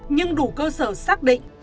nhưng đủ cơ sở xác định